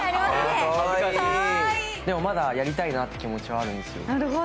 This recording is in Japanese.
でもまだやりたいなって気持ちはあるんですよ。